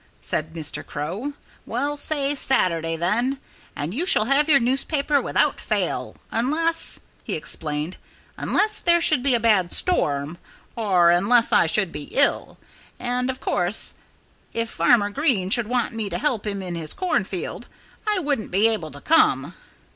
said Mr. Crow. "Well say 'Saturday,' then. And you shall have your newspaper without fail unless," he explained "unless there should be a bad storm, or unless I should be ill. And, of course, if Farmer Green should want me to help him in his cornfield, I wouldn't be able to come.